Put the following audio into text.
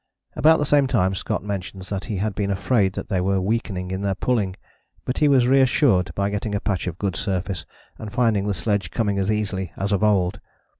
About the same time Scott mentions that he had been afraid that they were weakening in their pulling, but he was reassured by getting a patch of good surface and finding the sledge coming as easily as of old.